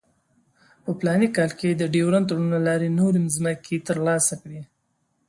په فلاني کال کې یې د ډیورنډ تړون له لارې نورې مځکې ترلاسه کړې.